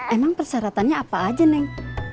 emang persyaratannya apa aja neng